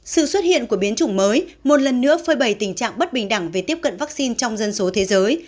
sự xuất hiện của biến chủng mới một lần nữa phơi bầy tình trạng bất bình đẳng về tiếp cận vaccine trong dân số thế giới